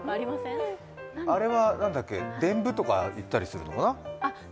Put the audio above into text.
あれは、でんぶとか言ったりするのかな。